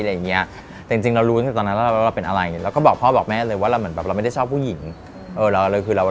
แต่จริงเรารู้มึงแต่ปกติตอนนั้นเราเป็นอะไร